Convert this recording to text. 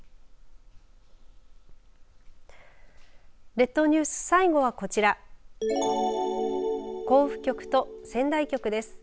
列島ニュース、最後はこちら甲府局と仙台局です。